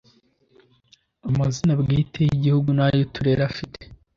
amazina bwite y ibihugu n ay uturere afite